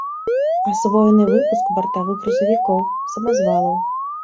Асвоены выпуск бартавых грузавікоў, самазвалаў.